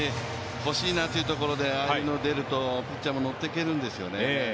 欲しいなというところでああいうのが出るとピッチャーもノっていけるんですよね。